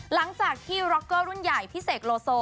หลังจากที่ร็อกเกอร์รุ่นใหญ่พี่เสกโลโซ